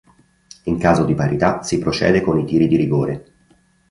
In caso di parità si procede con i tiri di rigore.